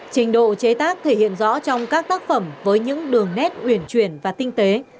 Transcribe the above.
trình độ chế tác thể hiện rõ trong các tác phẩm với những đường nét uyển chuyển và tinh tế